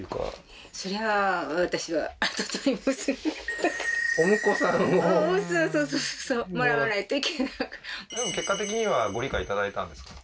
はいでも結果的にはご理解いただいたんですか？